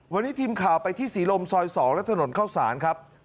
วันนี้ทีมข่าวไปที่ศรีลมซอย๒และถนนเข้าสารครับ